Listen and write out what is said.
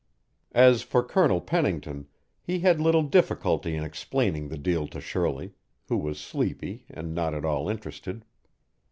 As for Colonel Pennington, he had little difficulty in explaining the deal to Shirley, who was sleepy and not at all interested.